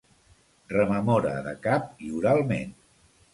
Rememora, de cap i oralment.